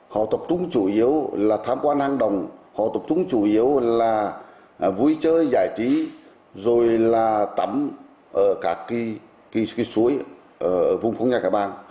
họ tập trung chủ yếu là tham quan hang động họ tập trung chủ yếu là vui chơi giải trí rồi là tắm ở các cái suối vùng phong nha cải bàng